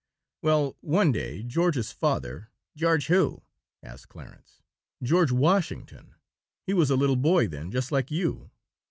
"Well, one day George's father " "George who?" asked Clarence. "George Washington. He was a little boy then, just like you.